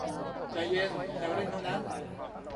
ใจเย็น แซวเล่นเท่านั้น